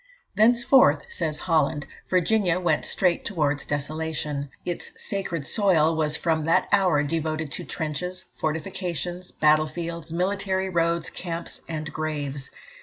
"Thenceforth," says Holland, "Virginia went straight towards desolation. Its 'sacred soil' was from that hour devoted to trenches, fortifications, battle fields, military roads, camps, and graves."